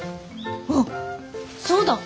あっそうだ。